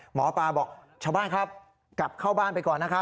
หมอปลาบอกชาวบ้านครับกลับเข้าบ้านไปก่อนนะครับ